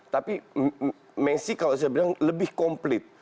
tapi messi kalau saya bilang lebih komplit